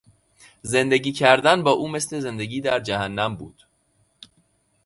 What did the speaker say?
زندگی کردن با او مثل زندگی در جهنم بود.